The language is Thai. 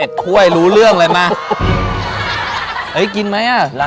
เรียกหมายเห็นเหมือนเลยมาเลยครับอะไรเนี้ยโอ้โห